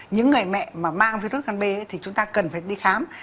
những người mẹ mà mang virus can b thì chúng ta cần phải đi khám